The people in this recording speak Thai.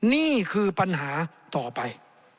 นี่คือปัญหาต่อไป